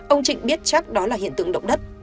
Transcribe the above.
ông trịnh biết chắc đó là hiện tượng động đất